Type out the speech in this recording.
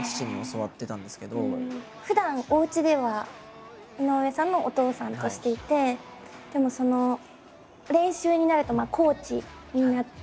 ふだんおうちでは井上さんのお父さんとしていてでも練習になるとコーチになるわけで。